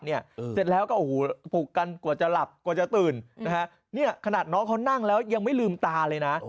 เสร็จแล้วก็โอ้โหปลุกกันกว่าจะหลับกว่าจะตื่นนะฮะเนี่ยขนาดน้องเขานั่งแล้วยังไม่ลืมตาเลยนะ